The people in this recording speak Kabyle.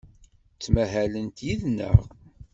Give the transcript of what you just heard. Ttmahalent yid-neɣ.